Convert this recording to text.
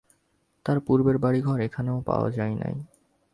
তার পূর্বের বাড়ী-ঘর এখনও পাওয়া যায় নাই।